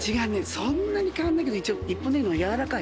そんなに変わんないけど一本ねぎの方がやわらかい。